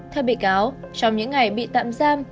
theo bị cáo trong những ngày bị tạm giam